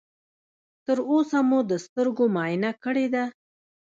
تر اوسه مو د سترګو معاینه کړې ده؟